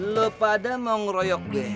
lo pada mau ngeroyok deh